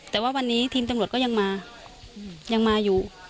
แต่ว่าวันนี้ทีมตำรวจก็ยังมายังมาอยู่